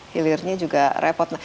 hilirnya juga repot